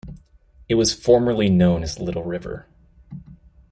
It was formerly known as Little River.